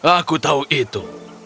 aku tahu itu